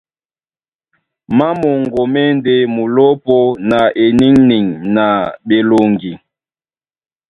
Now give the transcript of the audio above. Má moŋgo má e ndé/ Mulópō na eniŋniŋ na ɓeloŋgi.